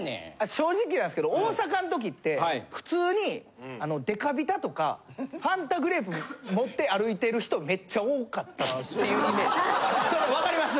正直なんですけど大阪ん時って普通にデカビタとかファンタグレープ持って歩いてる人めっちゃ多かったっていうそういうのわかります？